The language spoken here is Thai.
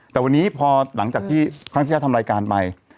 แต่วันนี้พอหลังจากที่ครั้งที่แล้วทำรายการไป